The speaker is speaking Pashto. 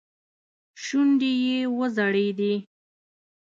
شونډې يې وځړېدې.